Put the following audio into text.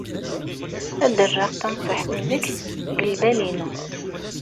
Ad rreɣ tanṣiḥt-nnek deg lbal-inu.